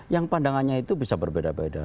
yang pandangannya itu bisa berbeda beda